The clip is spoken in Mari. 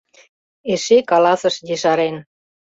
Эше каласыш ешарен: